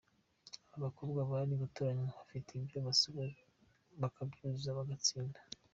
aba bakobwa bari gutoranywa bafite ibyo basabwe, bakabyuzuza bagatsinda.